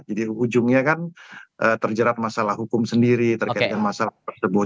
ujungnya kan terjerat masalah hukum sendiri terkait dengan masalah tersebut